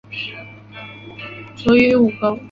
卒于午沟。